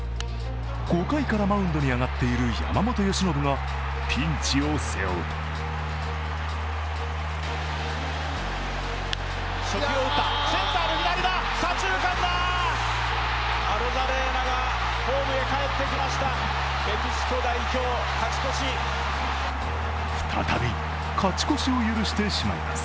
５回からマウンドに上がっている山本由伸がピンチを背負うと再び勝ち越しを許してしまいます。